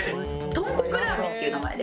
とんこくラーメンっていう名前で。